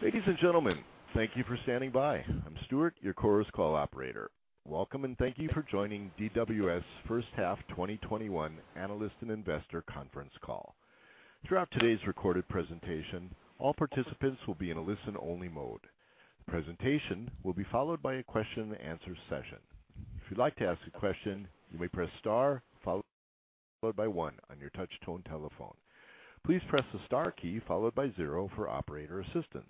Ladies and gentlemen, thank you for standing by. I'm Stuart, your Chorus Call Operator. Welcome, and thank you for joining DWS First Half 2021 Analyst and Investor Conference Call. Throughout today's recorded presentation, all participants will be in a listen-only mode. The presentation will be followed by a question and answer session. If you'd like to ask a question, you may press star followed by one on your touch-tone telephone. Please press the star key followed by zero for operator assistance.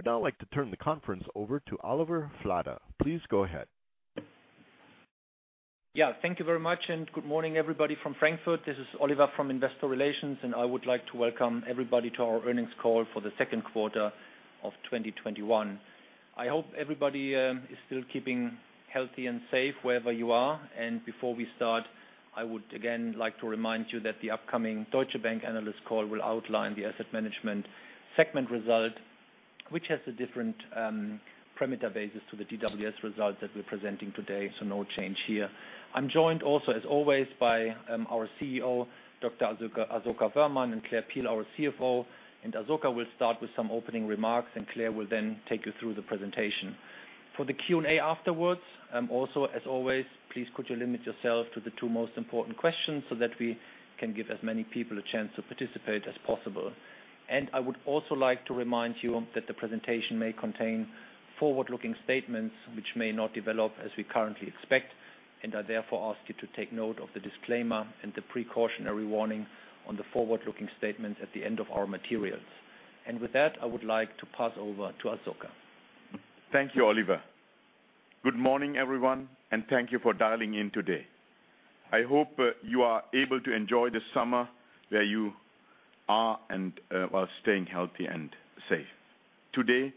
Would now like to turn the conference over to Oliver Flade. Please go ahead. Yeah, thank you very much. Good morning, everybody from Frankfurt. This is Oliver from Investor Relations, and I would like to welcome everybody to our earnings call for the second quarter of 2021. I hope everybody is still keeping healthy and safe wherever you are. Before we start, I would again like to remind you that the upcoming Deutsche Bank Analyst Call will outline the Asset Management segment result, which has a different parameter basis to the DWS result that we're presenting today. No change here. I'm joined also, as always, by our CEO, Dr. Asoka Wöhrmann, and Claire Peel, our CFO, and Asoka will start with some opening remarks, and Claire will then take you through the presentation. For the Q&A afterwards, also as always, please could you limit yourself to the two most important questions so that we can give as many people a chance to participate as possible. I would also like to remind you that the presentation may contain forward-looking statements which may not develop as we currently expect, and I therefore ask you to take note of the disclaimer and the precautionary warning on the forward-looking statements at the end of our materials. With that, I would like to pass over to Asoka. Thank you, Oliver. Good morning, everyone, and thank you for dialing in today. I hope you are able to enjoy the summer where you are and while staying healthy and safe. Today,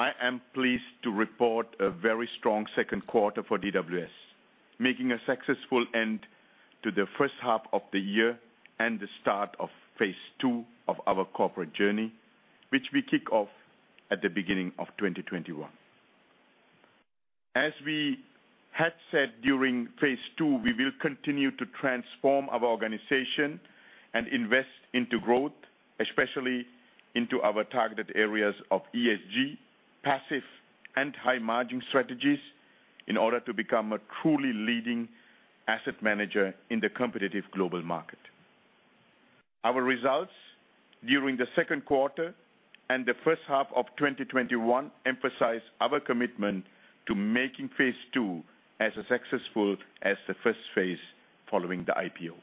I am pleased to report a very strong second quarter for DWS, making a successful end to the first half of the year and the start of Phase 2 of our corporate journey, which we kick off at the beginning of 2021. As we had said during Phase 2, we will continue to transform our organization and invest into growth, especially into our targeted areas of ESG, Passive, and High Margin Strategies in order to become a truly leading asset manager in the competitive global market. Our results during the second quarter and the first half of 2021 emphasize our commitment to making Phase 2 as successful as the first Phase following the IPO.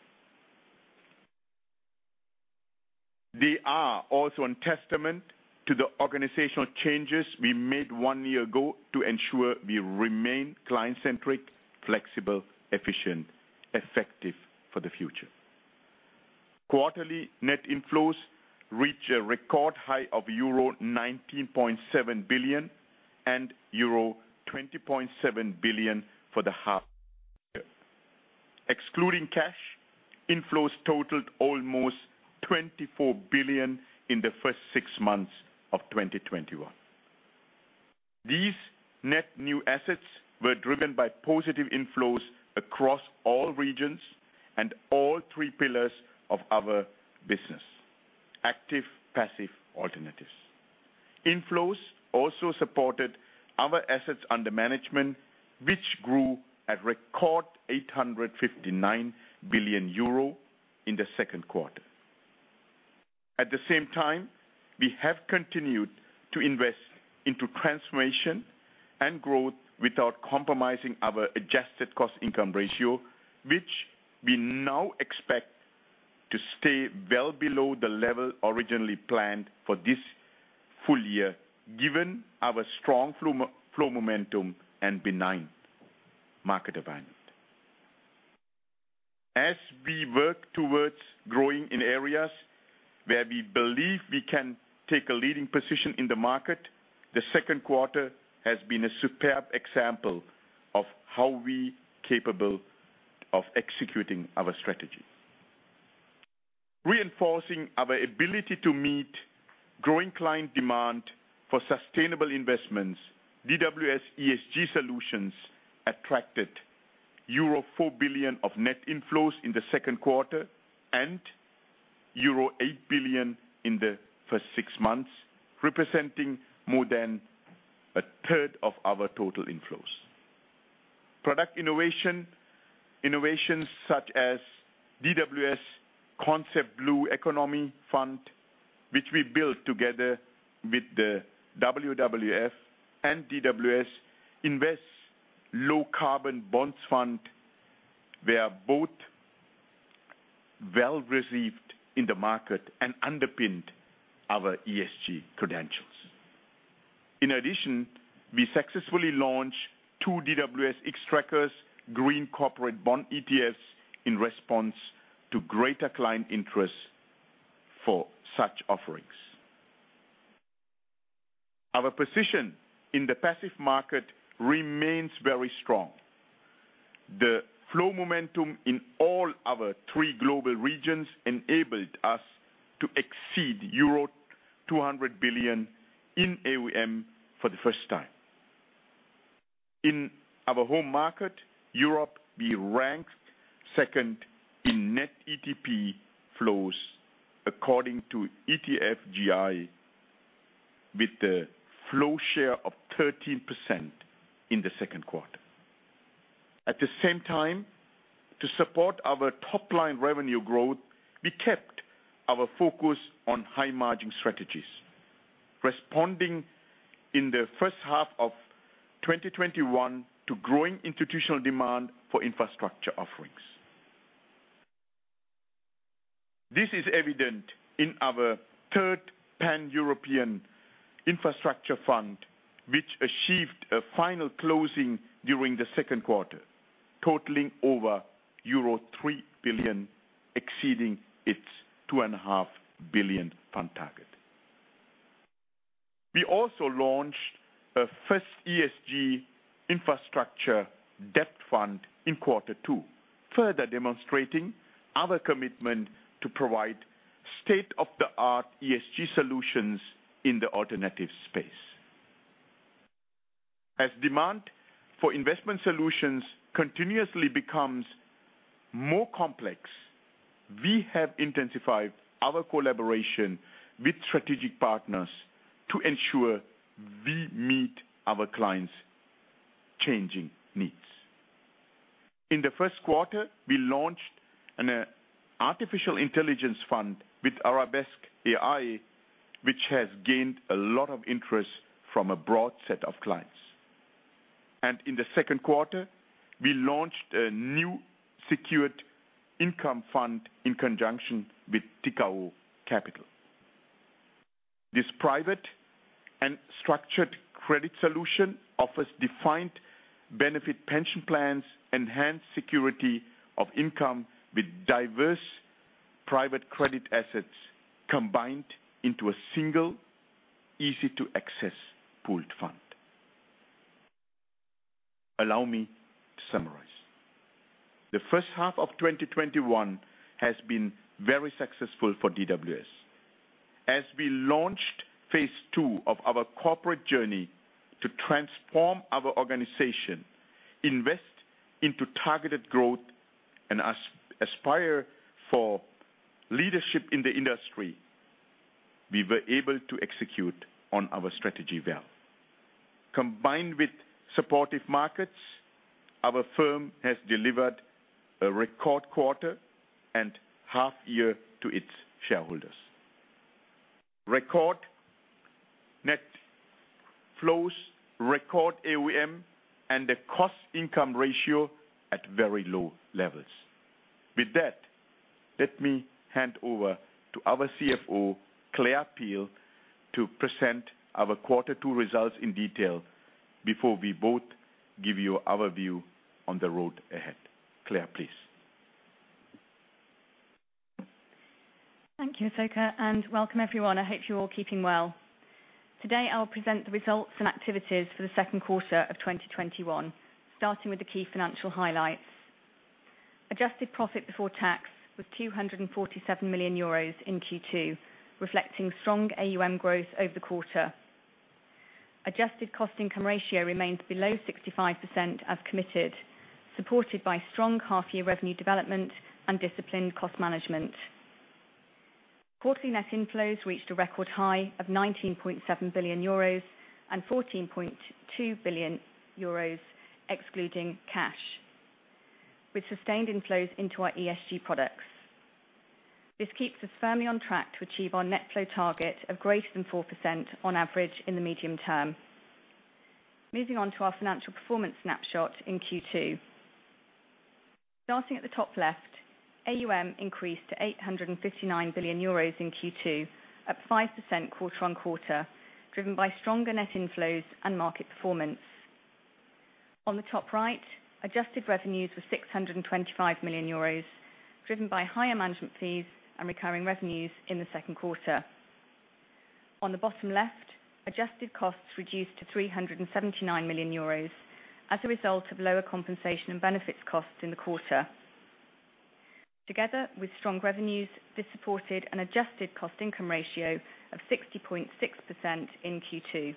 They are also a testament to the organizational changes we made one year ago to ensure we remain client-centric, flexible, efficient, effective for the future. Quarterly net inflows reach a record high of euro 19.7 billion and euro 20.7 billion for the half year. Excluding cash, inflows totaled almost 24 billion in the first six months of 2021. These net new assets were driven by positive inflows across all regions and all three pillars of our business: Active, Passive, Alternatives. Inflows also supported our assets under management, which grew at record 859 billion euro in the second quarter. At the same time, we have continued to invest into transformation and growth without compromising our adjusted cost income ratio, which we now expect to stay well below the level originally planned for this full year, given our strong flow momentum and benign market environment. As we work towards growing in areas where we believe we can take a leading position in the market, the second quarter has been a superb example of how we capable of executing our strategy. Reinforcing our ability to meet growing client demand for sustainable investments, DWS ESG Solutions attracted euro 4 billion of net inflows in the second quarter and euro 8 billion in the first six months, representing more than a third of our total inflows. Product innovations such as DWS Concept Blue Economy Fund, which we built together with the WWF and DWS Invest Low Carbon Bonds Fund, were both well received in the market and underpinned our ESG credentials. In addition, we successfully launched two DWS Xtrackers green corporate bond ETFs in response to greater client interest for such offerings. Our position in the passive market remains very strong. The flow momentum in all our three global regions enabled us to exceed euro 200 billion in AuM for the first time. In our home market, Europe, we ranked second in net ETP flows according to ETFGI, with the flow share of 13% in the second quarter. At the same time, to support our top-line revenue growth, we kept our focus on high-margin strategies, responding in the first half of 2021 to growing institutional demand for infrastructure offerings. This is evident in our third Pan-European Infrastructure Fund, which achieved a final closing during the second quarter, totaling over euro 3 billion, exceeding its 2.5 billion fund target. We also launched a first ESG Infrastructure Debt Fund in quarter two, further demonstrating our commitment to provide state-of-the-art ESG solutions in the alternatives space. As demand for investment solutions continuously becomes more complex, we have intensified our collaboration with strategic partners to ensure we meet our clients' changing needs. In the first quarter, we launched an artificial intelligence fund with Arabesque AI, which has gained a lot of interest from a broad set of clients. In the second quarter, we launched a new secured income fund in conjunction with Tikehau Capital. This private and structured credit solution offers defined benefit pension plans, enhanced security of income with diverse private credit assets combined into a single, easy-to-access pooled fund. Allow me to summarize. The first half of 2021 has been very successful for DWS. As we launched Phase 2 of our corporate journey to transform our organization, invest into targeted growth, and aspire for leadership in the industry, we were able to execute on our strategy well. Combined with supportive markets, our firm has delivered a record quarter and half year to its shareholders. Record net flows, record AuM, and the cost-income ratio at very low levels. With that, let me hand over to our CFO, Claire Peel, to present our quarter two results in detail before we both give you our view on the road ahead. Claire, please. Thank you, Asoka and welcome everyone. I hope you're all keeping well. Today, I'll present the results and activities for the second quarter of 2021. Starting with the key financial highlights. Adjusted profit before tax was 247 million euros in Q2, reflecting strong AuM growth over the quarter. Adjusted cost-income ratio remains below 65% as committed, supported by strong half-year revenue development and disciplined cost management. Quarterly net inflows reached a record high of 19.7 billion euros and 14.2 billion euros excluding cash, with sustained inflows into our ESG products. This keeps us firmly on track to achieve our net flow target of greater than 4% on average in the medium term. Moving on to our financial performance snapshot in Q2. Starting at the top left, AuM increased to 859 billion euros in Q2, up 5% quarter-on-quarter, driven by stronger net inflows and market performance. On the top right, adjusted revenues were 625 million euros, driven by higher management fees and recurring revenues in the second quarter. On the bottom left, adjusted costs reduced to 379 million euros as a result of lower compensation and benefits costs in the quarter. Together with strong revenues, this supported an adjusted cost income ratio of 60.6% in Q2.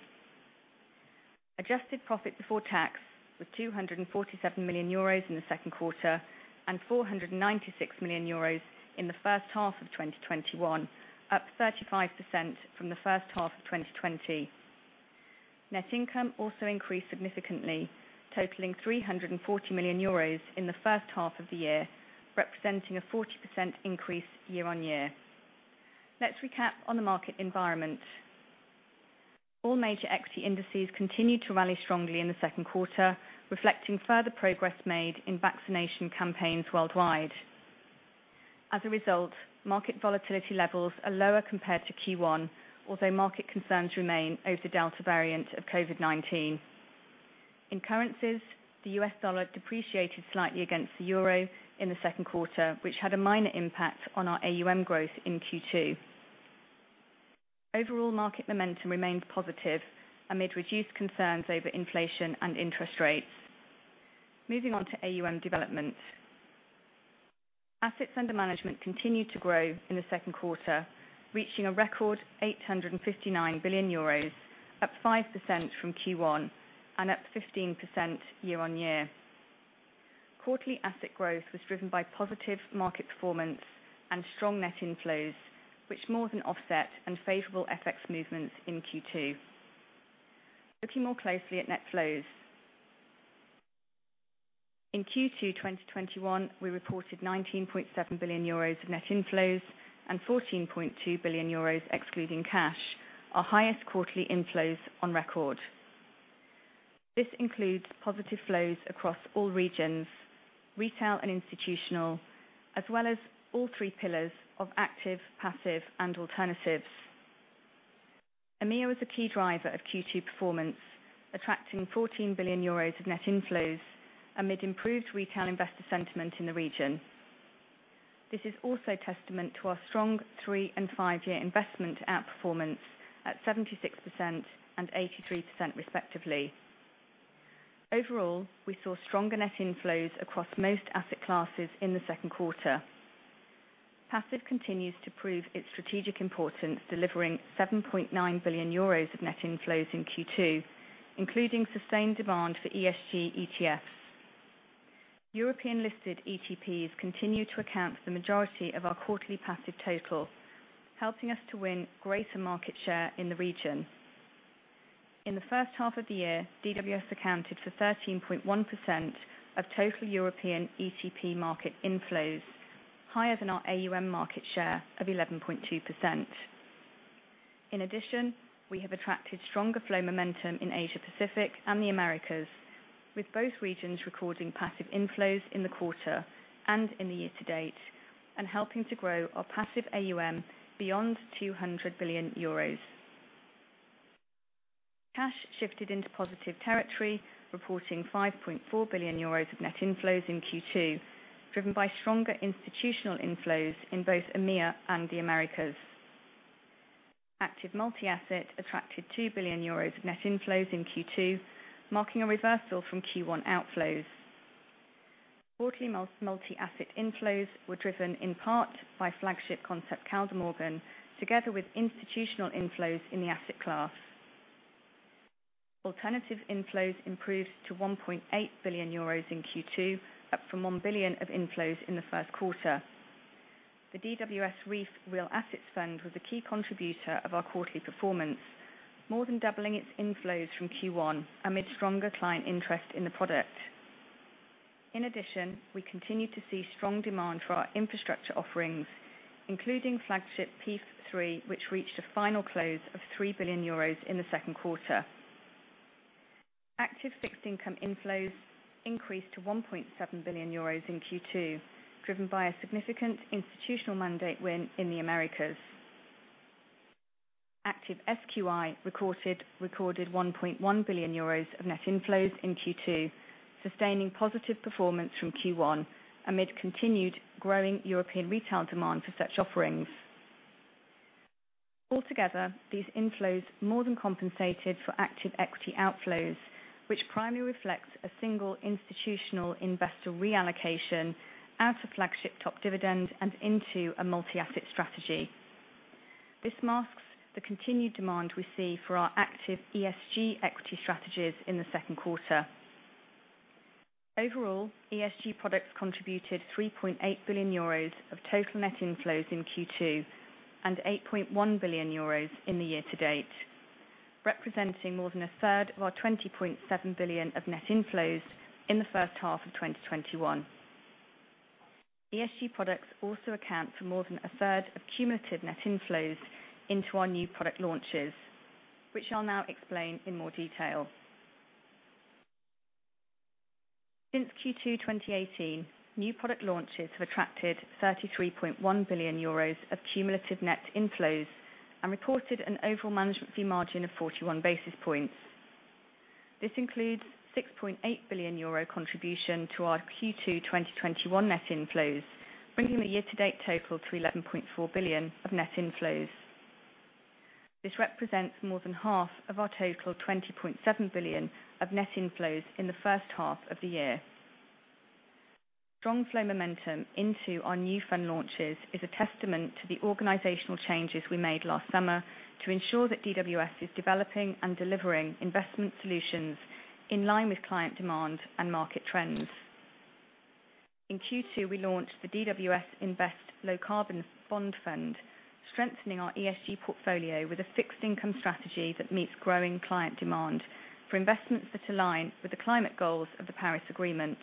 Adjusted profit before tax was 247 million euros in the second quarter and 496 million euros in the first half of 2021, up 35% from the first half of 2020. Net income also increased significantly, totaling 340 million euros in the first half of the year, representing a 40% increase year-on-year. Let's recap on the market environment. All major equity indices continued to rally strongly in the second quarter, reflecting further progress made in vaccination campaigns worldwide. As a result, market volatility levels are lower compared to Q1, although market concerns remain over the Delta variant of COVID-19. In currencies, the US dollar depreciated slightly against the euro in the second quarter, which had a minor impact on our AuM growth in Q2. Overall market momentum remained positive amid reduced concerns over inflation and interest rates. Moving on to AuM development. Assets under Management continued to grow in the second quarter, reaching a record 859 billion euros, up 5% from Q1 and up 15% year-on-year. Quarterly asset growth was driven by positive market performance and strong net inflows, which more than offset unfavorable FX movements in Q2. Looking more closely at net flows. In Q2 2021, we reported 19.7 billion euros of net inflows and 14.2 billion euros excluding cash, our highest quarterly inflows on record. This includes positive flows across all regions, retail and institutional, as well as all three pillars of Active, Passive, and Alternatives. EMEA was a key driver of Q2 performance, attracting 14 billion euros of net inflows amid improved retail investor sentiment in the region. This is also testament to our strong three and five-year investment outperformance at 76% and 83% respectively. Overall, we saw stronger net inflows across most asset classes in the second quarter. Passive continues to prove its strategic importance, delivering 7.9 billion euros of net inflows in Q2, including sustained demand for ESG ETFs. European-listed ETPs continue to account for the majority of our quarterly passive total, helping us to win greater market share in the region. In the first half of the year, DWS accounted for 13.1% of total European ETP market inflows, higher than our AuM market share of 11.2%. In addition, we have attracted stronger flow momentum in Asia-Pacific and the Americas, with both regions recording passive inflows in the quarter and in the year to date, and helping to grow our passive AuM beyond 200 billion euros. Cash shifted into positive territory, reporting 5.4 billion euros of net inflows in Q2, driven by stronger institutional inflows in both EMEA and the Americas. Active multi-asset attracted 2 billion euros of net inflows in Q2, marking a reversal from Q1 outflows. Quarterly multi-asset inflows were driven in part by flagship Concept Kaldemorgen, together with institutional inflows in the asset class. Alternative inflows improved to 1.8 billion euros in Q2, up from 1 billion of inflows in the first quarter. The DWS RREEF Real Assets Fund was a key contributor of our quarterly performance, more than doubling its inflows from Q1 amid stronger client interest in the product. In addition, we continued to see strong demand for our infrastructure offerings, including flagship PEIF III, which reached a final close of 3 billion euros in the second quarter. Active fixed income inflows increased to 1.7 billion euros in Q2, driven by a significant institutional mandate win in the Americas. Active SQI recorded 1.1 billion euros of net inflows in Q2, sustaining positive performance from Q1 amid continued growing European retail demand for such offerings. Altogether, these inflows more than compensated for active equity outflows, which primarily reflects a single institutional investor reallocation out of flagship Top Dividende and into a multi-asset strategy. This masks the continued demand we see for our active ESG equity strategies in the second quarter. Overall, ESG products contributed 3.8 billion euros of total net inflows in Q2 and 8.1 billion euros in the year to date, representing more than a third of our 20.7 billion of net inflows in the first half of 2021. ESG products also account for more than a third of cumulative net inflows into our new product launches, which I'll now explain in more detail. Since Q2 2018, new product launches have attracted 33.1 billion euros of cumulative net inflows and reported an overall management fee margin of 41 basis points. This includes 6.8 billion euro contribution to our Q2 2021 net inflows, bringing the year to date total to 11.4 billion of net inflows. This represents more than half of our total 20.7 billion of net inflows in the first half of the year. Strong flow momentum into our new fund launches is a testament to the organizational changes we made last summer to ensure that DWS is developing and delivering investment solutions in line with client demand and market trends. In Q2, we launched the DWS Invest Low Carbon Bonds, strengthening our ESG portfolio with a fixed income strategy that meets growing client demand for investments that align with the climate goals of the Paris Agreement.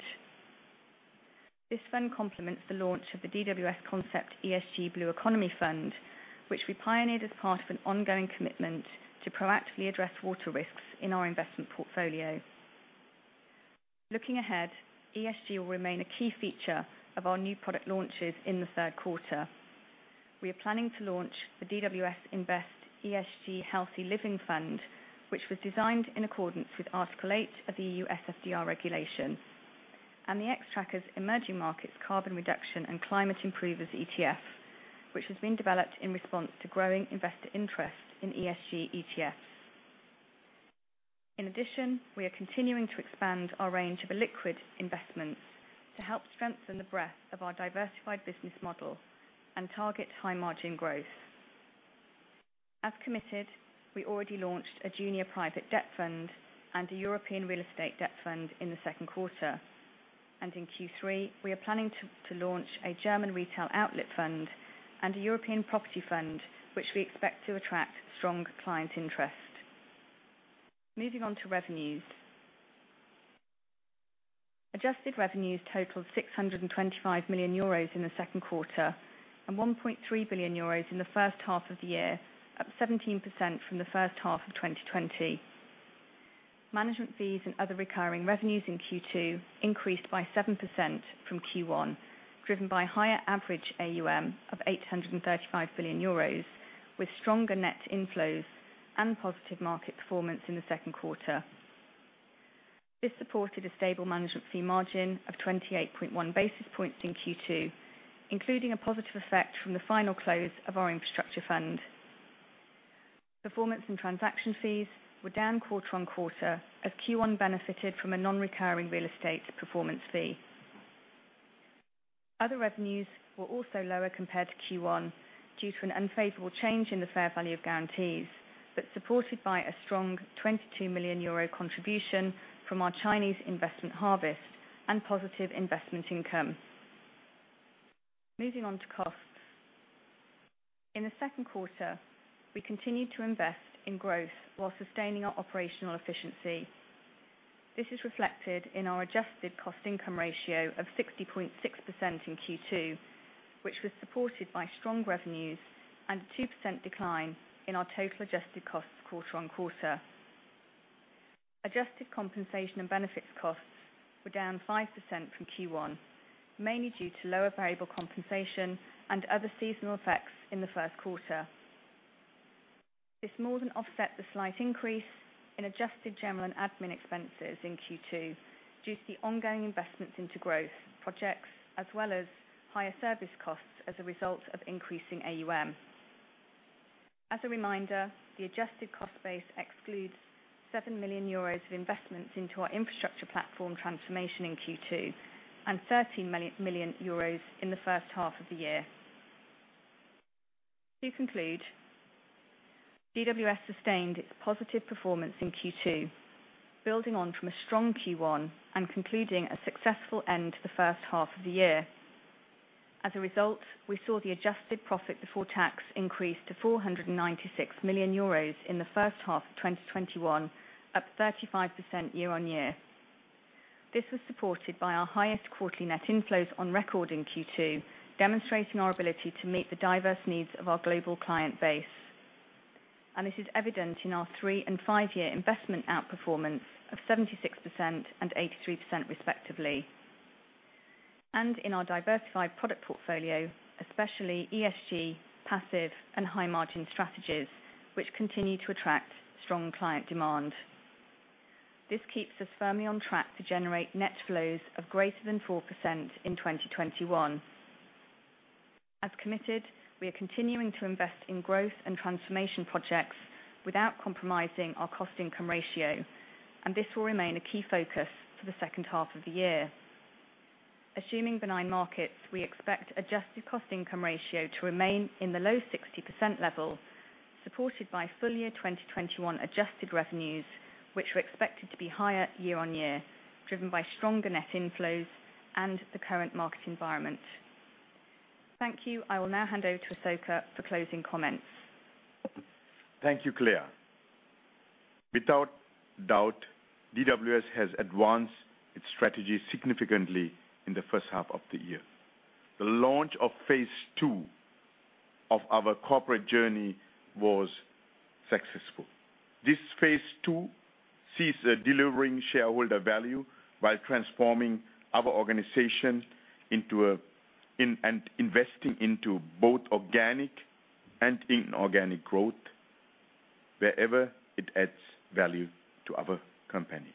This fund complements the launch of the DWS Concept ESG Blue Economy, which we pioneered as part of an ongoing commitment to proactively address water risks in our investment portfolio. Looking ahead, ESG will remain a key feature of our new product launches in the third quarter. We are planning to launch the DWS Invest ESG Healthy Living Fund, which was designed in accordance with Article 8 of the EU SFDR regulation, and the Xtrackers Emerging Markets Carbon Reduction and Climate Improvers ETF, which has been developed in response to growing investor interest in ESG ETFs. In addition, we are continuing to expand our range of liquid investments to help strengthen the breadth of our diversified business model and target high margin growth. As committed, we already launched a junior private debt fund and a European Real Estate Debt Fund in the second quarter. In Q3, we are planning to launch a German Retail Outlet Fund and a European property fund, which we expect to attract strong client interest. Moving on to revenues. Adjusted revenues totaled 625 million euros in the second quarter and 1.3 billion euros in the first half of the year, up 17% from the first half of 2020. Management fees and other recurring revenues in Q2 increased by 7% from Q1, driven by higher average AuM of 835 billion euros, with stronger net inflows and positive market performance in the second quarter. This supported a stable management fee margin of 28.1 basis points in Q2, including a positive effect from the final close of our infrastructure fund. Performance and transaction fees were down quarter-on-quarter as Q1 benefited from a non-recurring real estate performance fee. Other revenues were also lower compared to Q1 due to an unfavorable change in the fair value of guarantees, but supported by a strong 22 million euro contribution from our Chinese investment Harvest and positive investment income. Moving on to costs. In the second quarter, we continued to invest in growth while sustaining our operational efficiency. This is reflected in our adjusted cost income ratio of 60.6% in Q2, which was supported by strong revenues and a 2% decline in our total adjusted costs quarter-on-quarter. Adjusted compensation and benefits costs were down 5% from Q1, mainly due to lower variable compensation and other seasonal effects in the first quarter. This more than offset the slight increase in adjusted general and admin expenses in Q2 due to the ongoing investments into growth projects, as well as higher service costs as a result of increasing AuM. As a reminder, the adjusted cost base excludes 7 million euros of investments into our infrastructure platform transformation in Q2 and 13 million euros in the first half of the year. To conclude, DWS sustained its positive performance in Q2, building on from a strong Q1 and concluding a successful end to the first half of the year. We saw the adjusted profit before tax increase to 496 million euros in the first half of 2021, up 35% year-on-year. This was supported by our highest quarterly net inflows on record in Q2, demonstrating our ability to meet the diverse needs of our global client base. This is evident in our three and five-year investment outperformance of 76% and 83% respectively, and in our diversified product portfolio, especially ESG, passive and high margin strategies, which continue to attract strong client demand. This keeps us firmly on track to generate net flows of greater than 4% in 2021. As committed, we are continuing to invest in growth and transformation projects without compromising our cost income ratio. This will remain a key focus for the second half of the year. Assuming benign markets, we expect adjusted cost income ratio to remain in the low 60% level, supported by full-year 2021 adjusted revenues, which are expected to be higher year on year, driven by stronger net inflows and the current market environment. Thank you. I will now hand over to Asoka for closing comments. Thank you, Claire. Without doubt, DWS has advanced its strategy significantly in the first half of the year. The launch of Phase 2 of our corporate journey was successful. This Phase 2 sees delivering shareholder value while transforming our organization and investing into both organic and inorganic growth wherever it adds value to our company.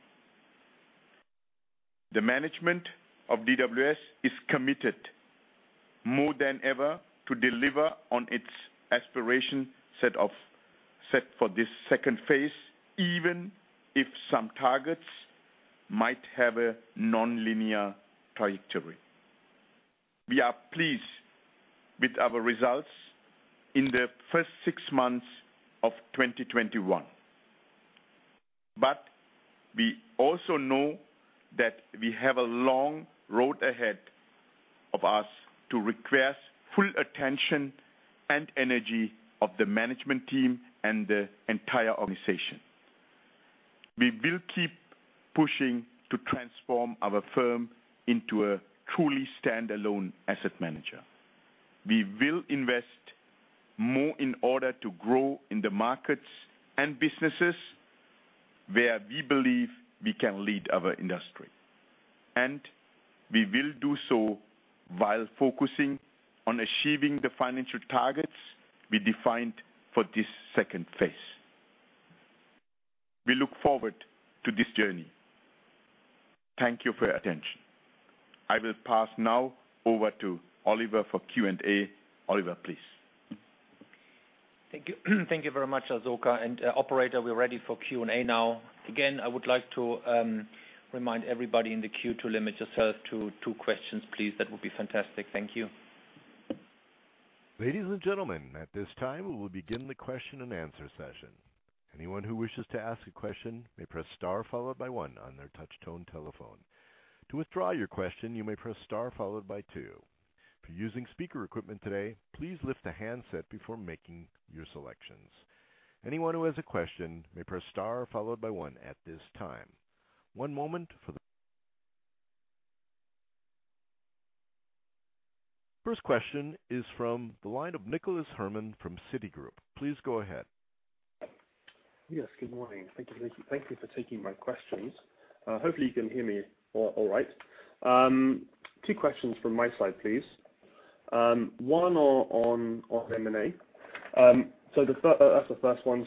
The management of DWS is committed more than ever to deliver on its aspiration set for this second phase, even if some targets might have a nonlinear trajectory. We are pleased with our results in the first six months of 2021. We also know that we have a long road ahead of us to require full attention and energy of the management team and the entire organization. We will keep pushing to transform our firm into a truly standalone asset manager. We will invest more in order to grow in the markets and businesses where we believe we can lead our industry. We will do so while focusing on achieving the financial targets we defined for this second phase. We look forward to this journey. Thank you for your attention. I will pass now over to Oliver for Q&A. Oliver, please. Thank you very much, Asoka. Operator, we're ready for Q&A now. Again, I would like to remind everybody in the queue to limit yourself to two questions please, that would be fantastic. Thank you. Ladies and gentlemen, at this time, we will begin the question and answer session. Anyone who wishes to ask a question may press star followed by one on their touch-tone telephone. To withdraw your question, you may press star followed by two. If you're using speaker equipment today, please lift the handset before making your selections. Anyone who has a question may press star followed by one at this time. One moment. First question is from the line of Nicholas Herman from Citigroup. Please go ahead. Yes, good morning. Thank you for taking my questions. Hopefully you can hear me all right. Two questions from my side, please. One on M&A. That's the first one.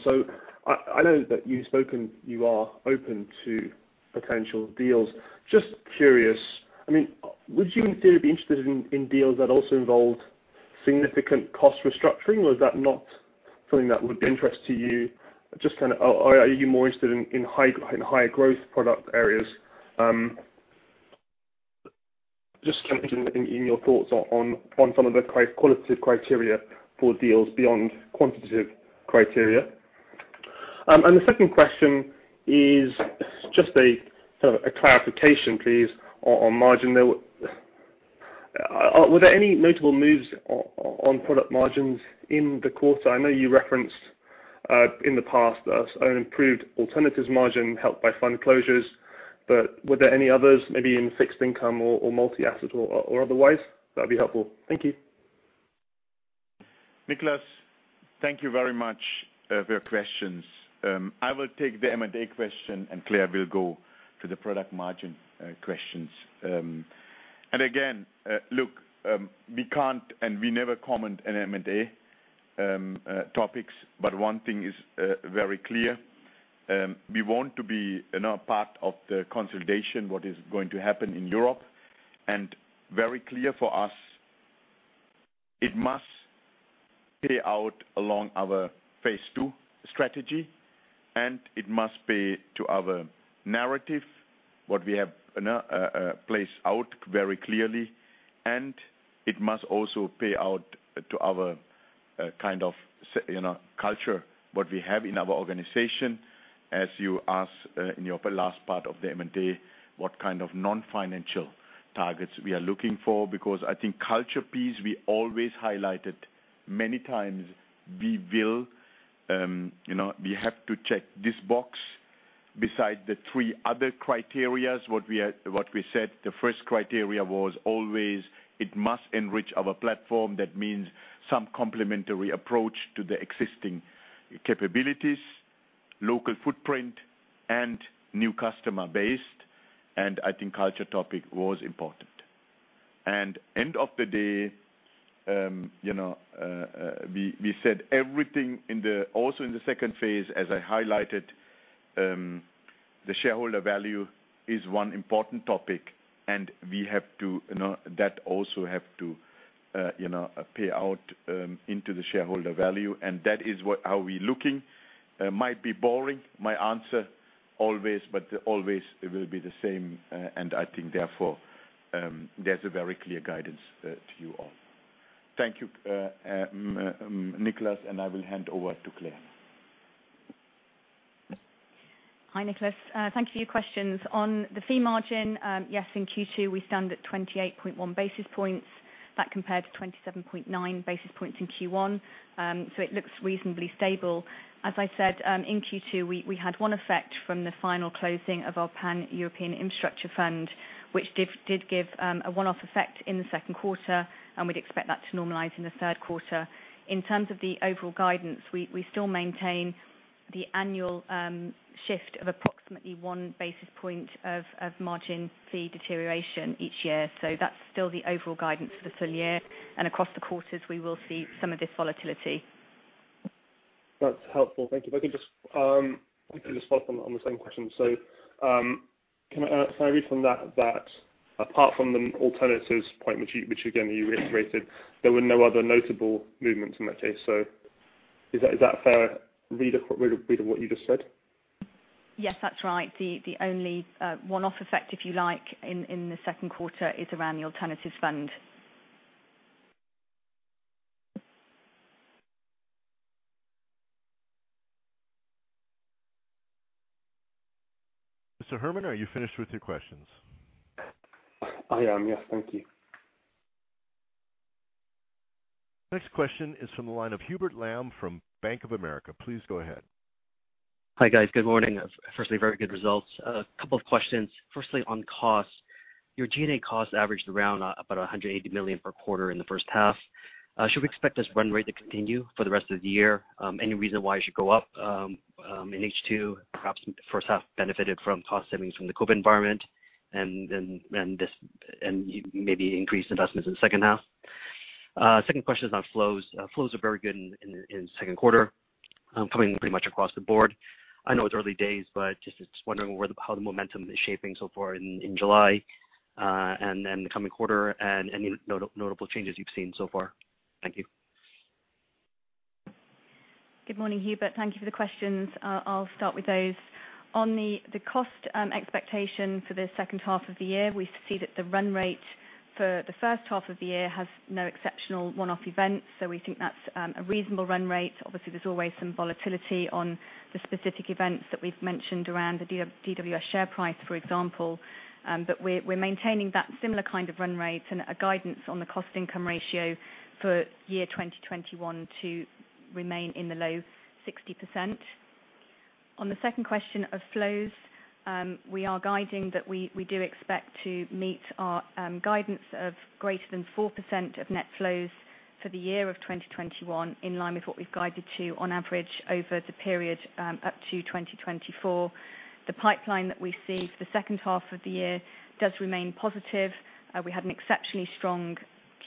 I know that you've spoken, you are open to potential deals. Just curious, would you theoretically be interested in deals that also involved significant cost restructuring, or is that not something that would interest you? Are you more interested in higher growth product areas? Just interested in your thoughts on some of the qualitative criteria for deals beyond quantitative criteria. The second question is just a clarification, please, on margin. Were there any notable moves on product margins in the quarter? I know you referenced in the past an improved alternatives margin helped by fund closures, but were there any others maybe in fixed income or multi-asset or otherwise? That'd be helpful. Thank you. Nicholas, thank you very much for your questions. I will take the M&A question, and Claire will go to the product margin questions. Again, look, we can't, and we never comment on M&A topics. One thing is very clear. We want to be part of the consolidation, what is going to happen in Europe, and very clear for us, it must pay out along our Phase 2 strategy, and it must pay to our narrative what we have placed out very clearly, and it must also pay out to our kind of culture, what we have in our organization, as you asked in your last part of the M&A. What kind of non-financial targets we are looking for, because I think culture piece, we always highlighted many times, we have to check this box beside the three other criteria, what we said the first criteria was always it must enrich our platform. That means some complementary approach to the existing capabilities, local footprint, and new customer base, and I think culture topic was important. End of the day, we said everything also in the second Phase, as I highlighted, the shareholder value is one important topic, and that also have to pay out into the shareholder value, and that is how we looking. Might be boring, my answer, always, but always it will be the same, and I think therefore, there's a very clear guidance to you all. Thank you, Nicholas, and I will hand over to Claire. Hi, Nicholas. Thank you for your questions. On the fee margin, yes, in Q2, we stand at 28.1 basis points. That compared to 27.9 basis points in Q1. It looks reasonably stable. As I said, in Q2, we had one effect from the final closing of our Pan-European Infrastructure Fund, which did give a one-off effect in the second quarter, and we'd expect that to normalize in the third quarter. In terms of the overall guidance, we still maintain the annual shift of approximately one basis point of margin fee deterioration each year. That's still the overall guidance for the full year, and across the quarters, we will see some of this volatility. That's helpful. Thank you. If I could just follow up on the same question. Can I read from that apart from the alternatives point, which again, you reiterated, there were no other notable movements in that case? Is that a fair read of what you just said? Yes, that's right. The only one-off effect, if you like, in the second quarter is around the alternatives fund. Mr. Herman, are you finished with your questions? I am, yes. Thank you. Next question is from the line of Hubert Lam from Bank of America. Please go ahead. Hi, guys. Good morning. Very good results. A couple of questions. On costs. Your G&A costs averaged around about 180 million per quarter in the first half. Should we expect this run rate to continue for the rest of the year? Any reason why it should go up in H2? Perhaps first half benefited from cost savings from the COVID environment, and maybe increased investments in the second half. Second question is on flows. Flows are very good in the second quarter, coming pretty much across the board. Just wondering how the momentum is shaping so far in July, and then the coming quarter, and any notable changes you've seen so far. Thank you. Good morning, Hubert. Thank you for the questions. I'll start with those. On the cost expectation for the second half of the year, we see that the run rate for the first half of the year has no exceptional one-off events. We think that's a reasonable run rate. Obviously, there's always some volatility on the specific events that we've mentioned around the DWS share price, for example. We're maintaining that similar kind of run rate and a guidance on the cost-income ratio for year 2021 to remain in the low 60%. On the second question of flows, we are guiding that we do expect to meet our guidance of greater than 4% of net flows for the year of 2021, in line with what we've guided to on average over the period up to 2024. The pipeline that we see for the second half of the year does remain positive. We had an exceptionally strong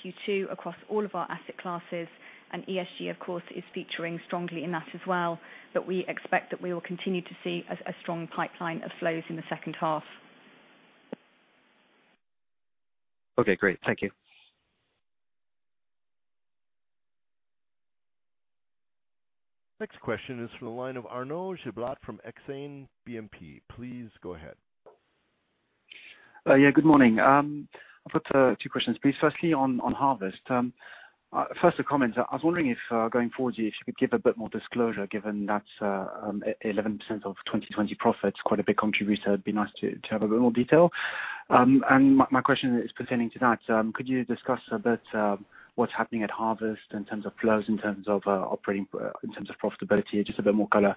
Q2 across all of our asset classes, and ESG, of course, is featuring strongly in that as well. We expect that we will continue to see a strong pipeline of flows in the second half. Okay, great. Thank you. Next question is from the line of Arnaud Giblat from Exane BNP. Please go ahead. Good morning. I've got two questions, please. Firstly, on Harvest. First a comment. I was wondering if, going forward, if you could give a bit more disclosure given that 11% of 2020 profits, quite a big contributor, it would be nice to have a bit more detail. My question is pertaining to that. Could you discuss a bit what's happening at Harvest in terms of flows, in terms of profitability, just a bit more color?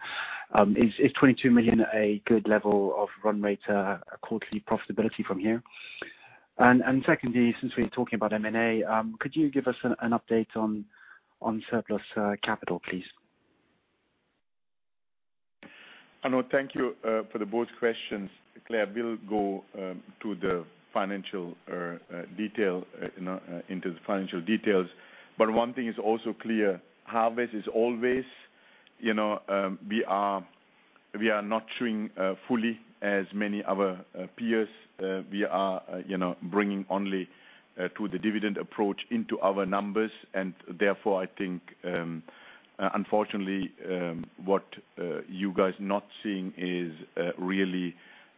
Is 22 million a good level of run rate quarterly profitability from here? Secondly, since we are talking about M&A, could you give us an update on surplus capital, please? Arnaud, thank you for the both questions. Claire will go into the financial details. One thing is also clear, Harvest is always, we are not showing fully as many other peers. We are bringing only to the dividend approach into our numbers, therefore, I think, unfortunately, what you guys not seeing is really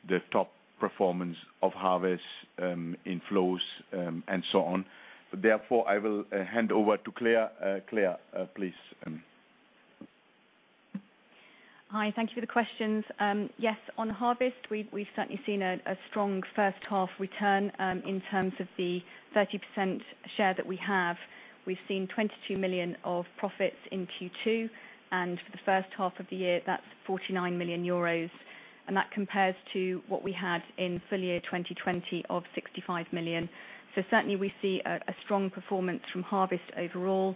the top performance of Harvest in flows and so on. I will hand over to Claire. Claire, please. Hi, thank you for the questions. Yes on Harvest, we've certainly seen a strong first half return in terms of the 30% share that we have. We've seen 22 million of profits in Q2, and for the first half of the year, that's 49 million euros. That compares to what we had in full year 2020 of 65 million. Certainly, we see a strong performance from Harvest overall.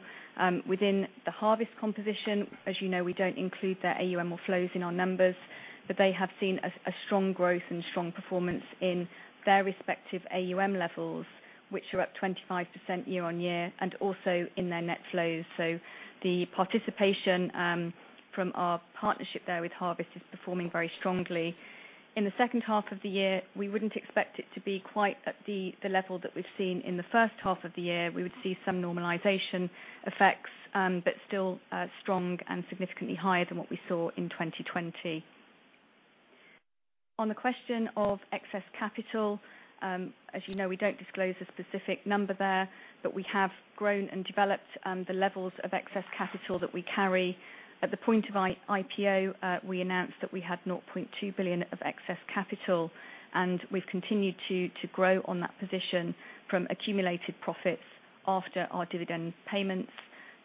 Within the Harvest composition, as you know, we don't include their AuM or flows in our numbers, but they have seen a strong growth and strong performance in their respective AuM levels, which are up 25% year-on-year, and also in their net flows. The participation from our partnership there with Harvest is performing very strongly. In the second half of the year, we wouldn't expect it to be quite at the level that we've seen in the first half of the year. We would see some normalization effects, but still strong and significantly higher than what we saw in 2020. On the question of excess capital, as you know, we don't disclose a specific number there, but we have grown and developed the levels of excess capital that we carry. At the point of IPO, we announced that we had 0.2 billion of excess capital, and we've continued to grow on that position from accumulated profits after our dividend payments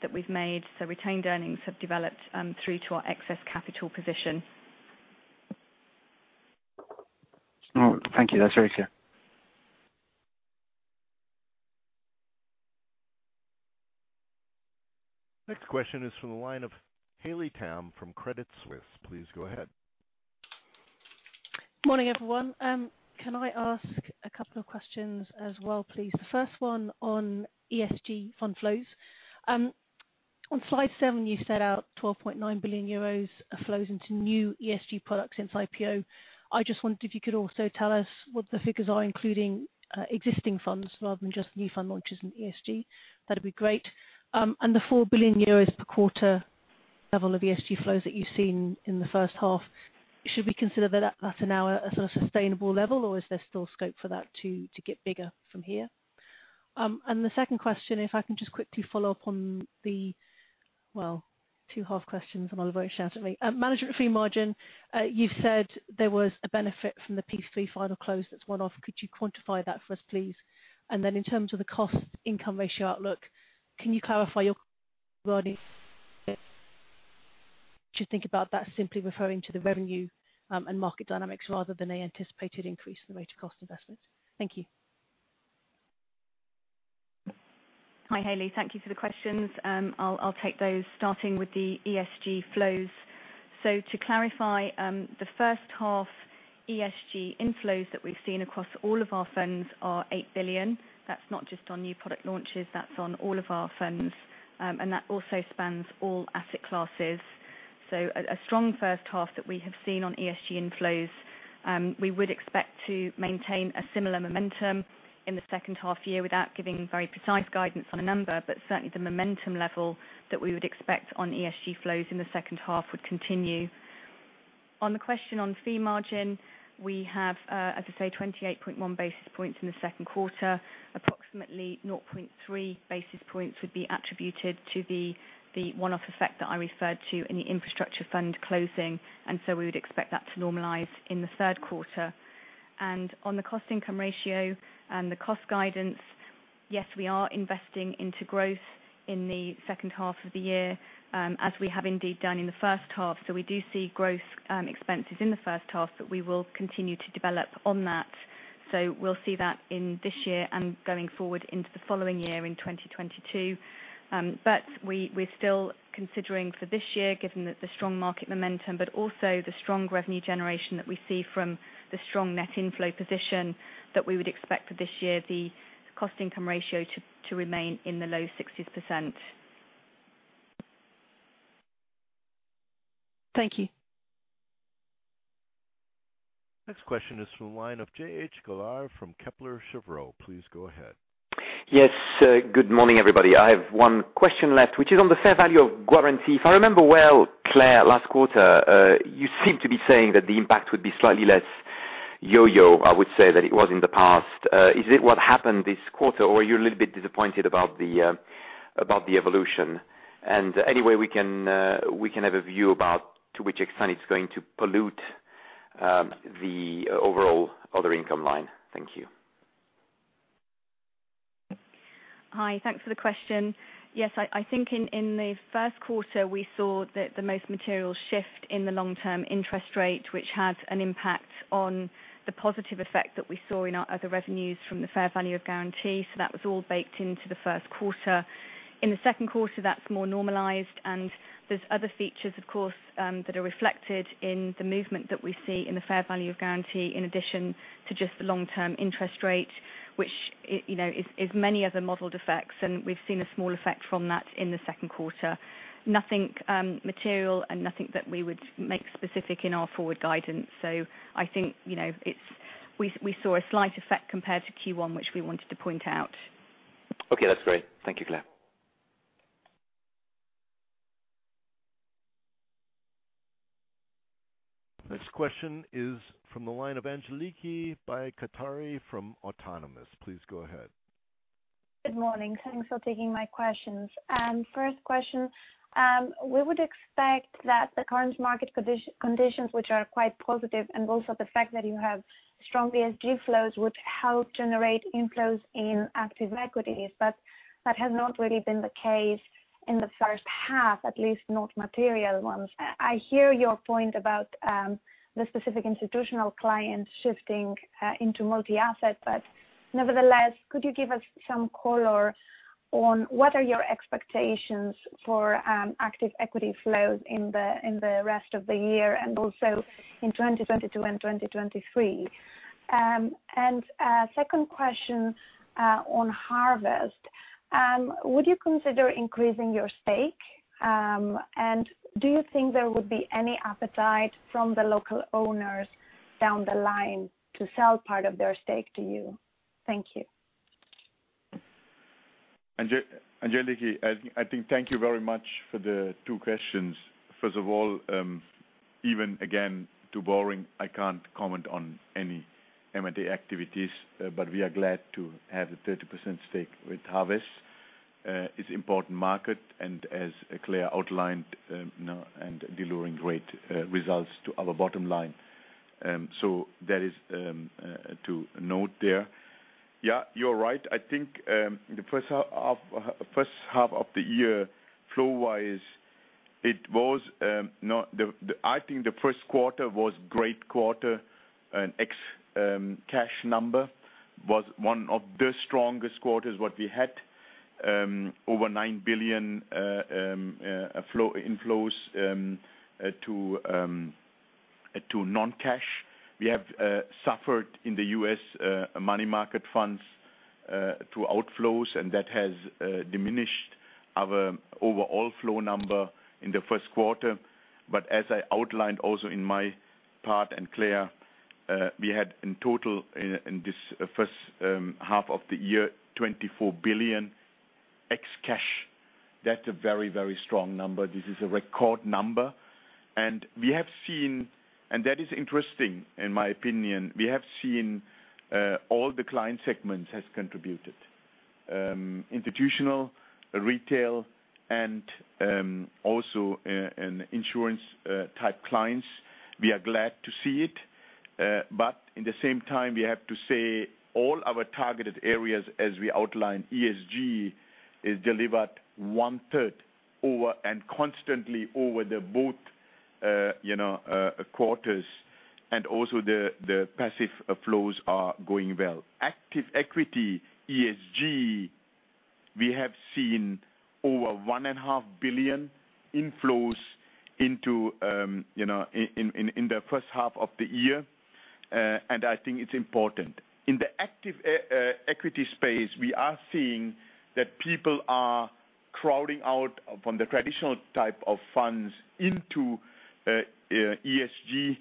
that we've made. Retained earnings have developed through to our excess capital position. Thank you. That's very clear. Next question is from the line of Hayley Tam from Credit Suisse. Please go ahead. Morning, everyone. Can I ask a couple of questions as well, please? The first one on ESG fund flows. On slide seven, you set out 12.9 billion euros of flows into new ESG products since IPO. I just wondered if you could also tell us what the figures are including existing funds rather than just new fund launches in ESG. That'd be great. The 4 billion euros per quarter level of ESG flows that you've seen in the first half, should we consider that that's now a sort of sustainable level, or is there still scope for that to get bigger from here? The second question, if I can just quickly follow up on the, well, two-half questions and all of you shout at me. Management fee margin. You've said there was a benefit from the PEIF III final close that's one-off. Could you quantify that for us, please? In terms of the cost-income ratio outlook, can you clarify you should think about that simply referring to the revenue and market dynamics rather than any anticipated increase in the rate of cost investments. Thank you. Hi, Hayley. Thank you for the questions. I'll take those starting with the ESG flows. So to clarify, the first half ESG inflows that we've seen across all of our funds are 8 billion. That's not just on new product launches, that's on all of our funds. That also spans all asset classes. A strong first half that we have seen on ESG inflows. We would expect to maintain a similar momentum in the second half year without giving very precise guidance on a number, certainly the momentum level that we would expect on ESG flows in the second half would continue. On the question on fee margin, we have, as I say, 28.1 basis points in the second quarter, approximately 0.3 basis points would be attributed to the one-off effect that I referred to in the infrastructure fund closing. We would expect that to normalize in the third quarter. On the cost income ratio and the cost guidance, yes, we are investing into growth in the second half of the year, as we have indeed done in the first half. We do see growth expenses in the first half, but we will continue to develop on that. We'll see that in this year and going forward into the following year in 2022. We're still considering for this year, given that the strong market momentum, but also the strong revenue generation that we see from the strong net inflow position that we would expect for this year, the cost income ratio to remain in the low 60%s. Thank you. Next question is from the line of Jacques-Henri Gaulard from Kepler Cheuvreux. Please go ahead. Yes. Good morning, everybody. I have one question left, which is on the fair value of guarantee. If I remember well, Claire, last quarter, you seemed to be saying that the impact would be slightly less yo-yo, I would say, than it was in the past. Is it what happened this quarter, or are you a little bit disappointed about the evolution? Any way we can have a view about to which extent it's going to pollute the overall other income line. Thank you. Hi. Thanks for the question. Yes. I think in the first quarter, we saw the most material shift in the long-term interest rate, which had an impact on the positive effect that we saw in our other revenues from the fair value of guarantee. That was all baked into the first quarter. In the second quarter, that's more normalized, and there's other features, of course, that are reflected in the movement that we see in the fair value of guarantee, in addition to just the long-term interest rate, which is many other modeled effects, and we've seen a small effect from that in the second quarter. Nothing material and nothing that we would make specific in our forward guidance. I think, we saw a slight effect compared to Q1, which we wanted to point out. Okay. That's great. Thank you, Claire. Next question is from the line of Angeliki Bairaktari from Autonomous. Please go ahead. Good morning. Thanks for taking my questions. First question. That has not really been the case in the first half, at least not material ones. I hear your point about the specific institutional clients shifting into multi-asset, nevertheless, could you give us some color on what are your expectations for active equity flows in the rest of the year and also in 2022 and 2023? Second question on Harvest. Would you consider increasing your stake? Do you think there would be any appetite from the local owners down the line to sell part of their stake to you? Thank you. Angeliki, thank you very much for the two questions. First of all, even again, too boring, I can't comment on any M&A activities. We are glad to have a 30% stake with Harvest. It's important market, and as Claire outlined, and delivering great results to our bottom line. That is to note there. You're right. I think the first half of the year, flow-wise, I think the first quarter was great quarter, and ex cash number was one of the strongest quarters what we had. Over 9 billion inflows to non-cash. We have suffered in the US money market funds to outflows, and that has diminished our overall flow number in the first quarter. As I outlined also in my part and Claire, we had in total in this first half of the year, 24 billion ex cash. That's a very, very strong number. This is a record number. That is interesting in my opinion. We have seen all the client segments has contributed. Institutional, retail, and also insurance type clients. We are glad to see it. In the same time, we have to say all our targeted areas as we outlined, ESG, is delivered 1/3 over and constantly over the both quarters. Also the passive flows are going well. Active equity, ESG. We have seen over 1.5 billion inflows in the first half of the year, and I think it's important. In the active equity space, we are seeing that people are crowding out from the traditional type of funds into ESG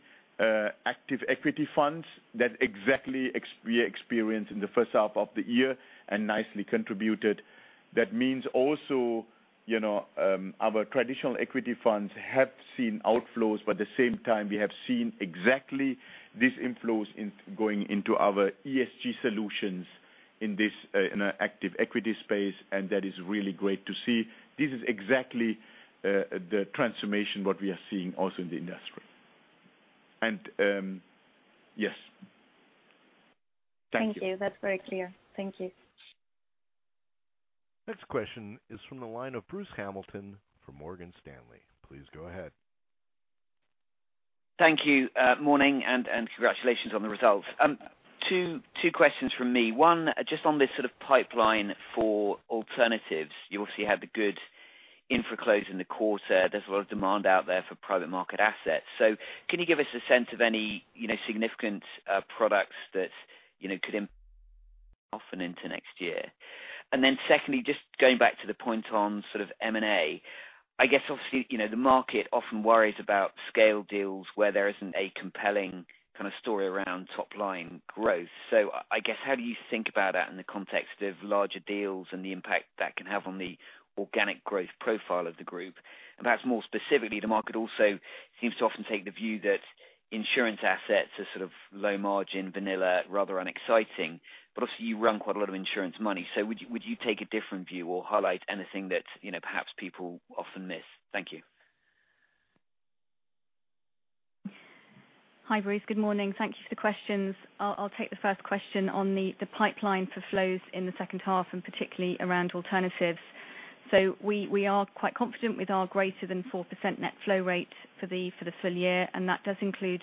active equity funds. That's exactly we experienced in the first half of the year and nicely contributed. That means also our Traditional Equity Funds have seen outflows, at the same time, we have seen exactly these inflows going into our ESG solutions in an active equity space, and that is really great to see. This is exactly the transformation what we are seeing also in the industry. Yes. Thank you. Thank you. That's very clear. Thank you. Next question is from the line of Bruce Hamilton from Morgan Stanley. Please go ahead. Thank you. Morning, and congratulations on the results. Two questions from me. One, just on this pipeline for alternatives. You obviously had the good infra close in the quarter. There's a lot of demand out there for private market assets. Can you give us a sense of any significant products that could offer into next year? Secondly, just going back to the point on sort of M&A. I guess obviously, the market often worries about scale deals where there isn't a compelling kind of story around top-line growth. I guess, how do you think about that in the context of larger deals and the impact that can have on the organic growth profile of the group? Perhaps more specifically, the market also seems to often take the view that insurance assets are sort of low margin, vanilla, rather unexciting. Obviously, you run quite a lot of insurance money. Would you take a different view or highlight anything that perhaps people often miss? Thank you. Hi, Bruce. Good morning. Thank you for the questions. I'll take the first question on the pipeline for flows in the second half, and particularly around alternatives. We are quite confident with our greater than 4% net flow rate for the full year, and that does include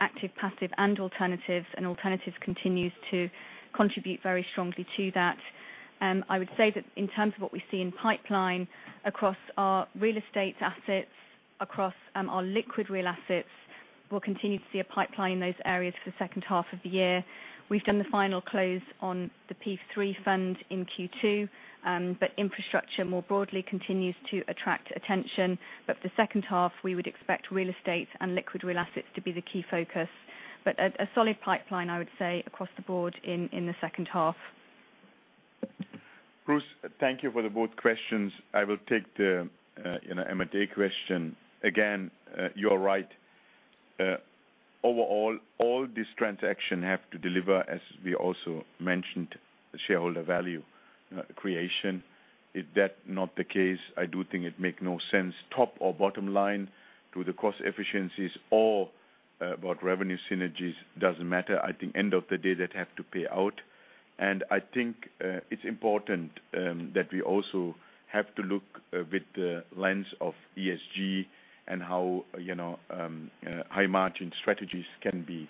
active, passive, and alternatives, and alternatives continues to contribute very strongly to that. I would say that in terms of what we see in pipeline across our real estate assets, across our liquid real assets, we'll continue to see a pipeline in those areas for the second half of the year. We've done the final close on the PEIF III fund in Q2. Infrastructure more broadly continues to attract attention. For the second half, we would expect real estate and liquid real assets to be the key focus. A solid pipeline, I would say, across the board in the second half. Bruce, thank you for the both questions. I will take the M&A question. Again, you are right. Overall, all these transactions have to deliver, as we also mentioned, shareholder value creation. If that not the case, I do think it make no sense, top or bottom line, through the cost efficiencies or about revenue synergies, doesn't matter. I think end of the day that have to pay out. I think it's important that we also have to look with the lens of ESG and how high margin strategies can be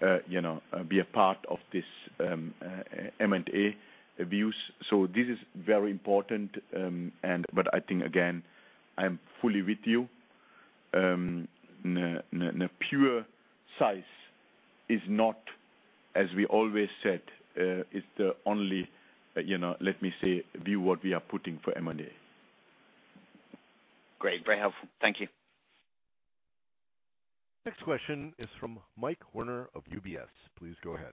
a part of this M&A views. This is very important, but I think, again, I am fully with you. Pure size is not, as we always said, is the only, let me say, view what we are putting for M&A. Great. Very helpful. Thank you. Next question is from Mike Werner of UBS. Please go ahead.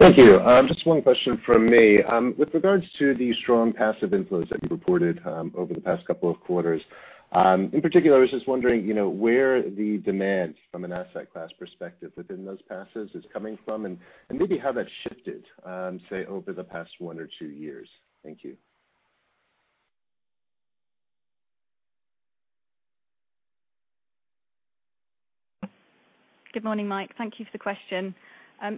Thank you. Just one question from me. With regards to the strong passive inflows that you reported over the past couple of quarters. In particular, I was just wondering where the demand from an asset class perspective within those passives is coming from, and maybe how that's shifted, say, over the past one or two years. Thank you. Good morning, Mike. Thank you for the question.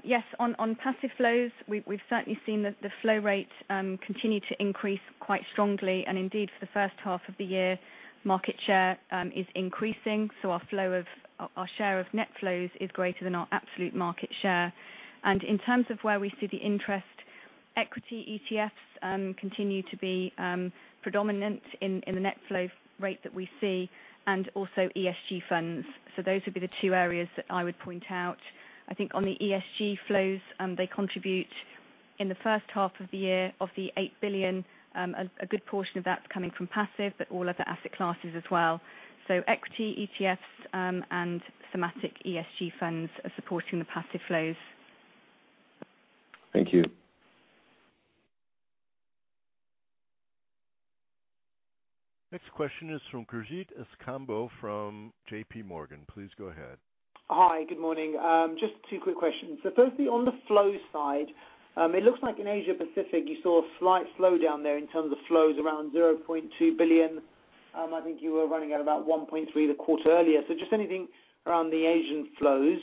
Yes, on passive flows, we've certainly seen the flow rate continue to increase quite strongly. Indeed, for the first half of the year, market share is increasing. Our share of net flows is greater than our absolute market share. In terms of where we see the interest, equity ETFs continue to be predominant in the net flow rate that we see and also ESG funds. Those would be the two areas that I would point out. I think on the ESG flows, they contribute in the first half of the year of the 8 billion, a good portion of that's coming from passive, but all other asset classes as well. Equity ETFs, and thematic ESG funds are supporting the passive flows. Thank you. Next question is from Gurjit Kambo from JPMorgan. Please go ahead. Hi. Good morning. Just two quick questions. Firstly, on the flow side, it looks like in Asia Pacific you saw a slight slowdown there in terms of flows around 0.2 billion. I think you were running at about 1.3 billion the quarter earlier. Just anything around the Asian flows.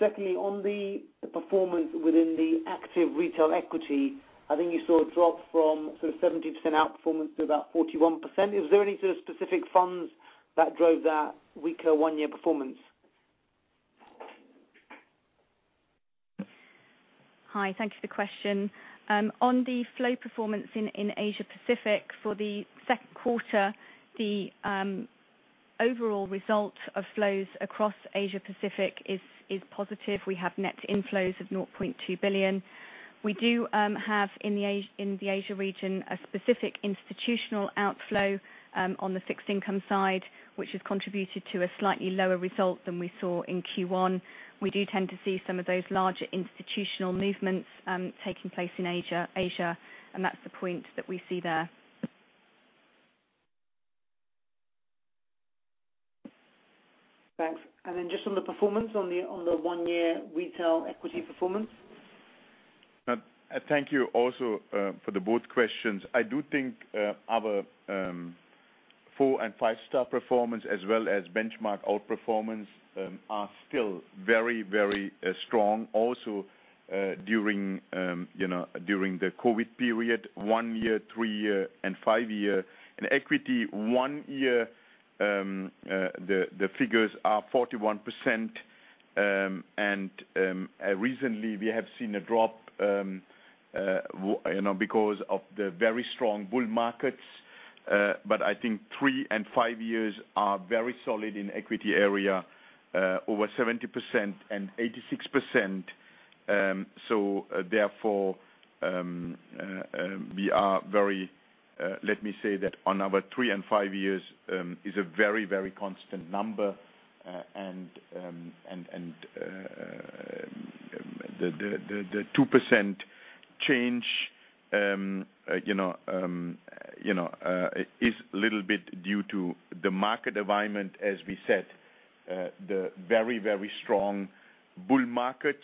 Secondly, on the performance within the active retail equity, I think you saw a drop from sort of 70% outperformance to about 41%. Is there any sort of specific funds that drove that weaker one-year performance? Hi, thank you for the question. On the flow performance in Asia Pacific for the second quarter, the overall result of flows across Asia Pacific is positive. We have net inflows of 0.2 billion. We do have, in the Asia region, a specific institutional outflow on the fixed income side, which has contributed to a slightly lower result than we saw in Q1. We do tend to see some of those larger institutional movements taking place in Asia, and that's the point that we see there. Thanks. Then just on the performance on the one-year retail equity performance? Thank you also for the both questions. I do think our four and five-star performance, as well as benchmark outperformance, are still very strong also during the COVID-19 period, one year, three year, and five year in equity. One year, the figures are 41%, and recently we have seen a drop because of the very strong bull markets. I think three and five years are very solid in equity area, over 70% and 86%. Therefore, let me say that on our three and five years is a very constant number, and the 2% change is a little bit due to the market environment, as we said. The very strong bull markets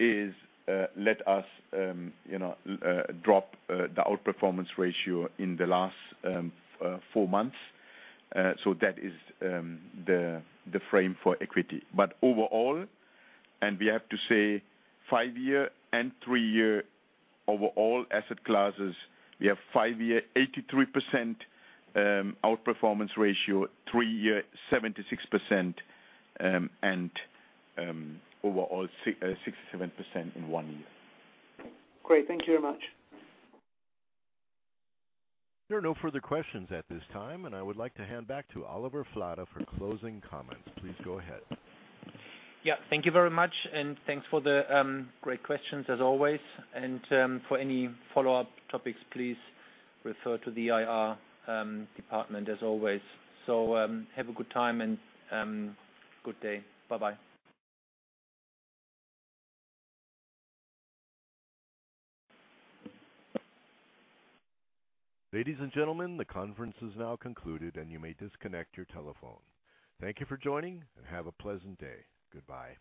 let us drop the outperformance ratio in the last four months. That is the frame for equity. Overall, and we have to say five year and three year overall asset classes, we have five year 83% outperformance ratio, three year 76%, and overall, 67% in one year. Great. Thank you very much. There are no further questions at this time, and I would like to hand back to Oliver Flade for closing comments. Please go ahead. Yeah, thank you very much, and thanks for the great questions as always. For any follow-up topics, please refer to the IR department as always. Have a good time and good day. Bye-bye. Ladies and gentlemen, the conference is now concluded, and you may disconnect your telephone. Thank you for joining, and have a pleasant day. Goodbye.